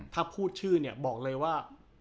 ถ้าพูดชื่อเนี่ยบอกเลยว่า